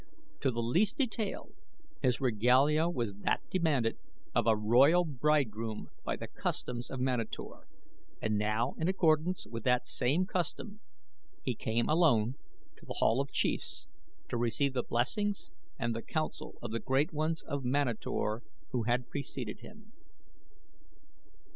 To the least detail his regalia was that demanded of a royal bridegroom by the customs of Manator, and now in accordance with that same custom he came alone to The Hall of Chiefs to receive the blessings and the council of the great ones of Manator who had preceded him.